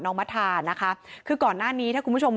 มัธานะคะคือก่อนหน้านี้ถ้าคุณผู้ชม